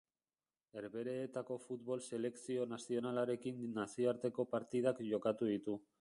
Herbehereetako futbol selekzio nazionalarekin nazioarteko partidak jokatu ditu.